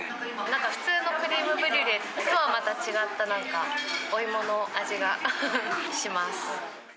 なんか普通のクリームブリュレとは違った、なんかお芋の味がします。